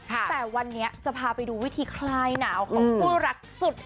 แต่วันนี้จะพาไปดูวิธีคลายหนาวของคู่รักสุด